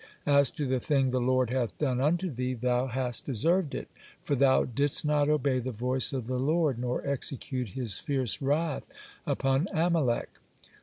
As to the thing the Lord hath done unto thee, thou hast deserved it, for thou didst not obey the voice of the Lord, nor execute his fierce wrath upon Amalek."